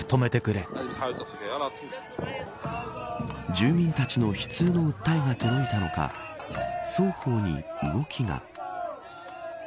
住民たちの悲痛な訴えが届いたのか双方に動きが。